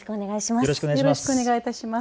よろしくお願いします。